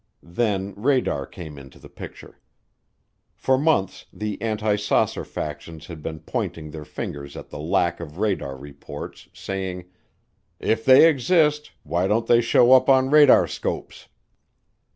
Then radar came into the picture. For months the anti saucer factions had been pointing their fingers at the lack of radar reports, saying, "If they exist, why don't they show up on radarscopes?"